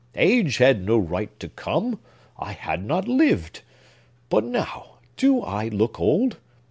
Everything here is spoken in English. Age had no right to come! I had not lived! But now do I look old?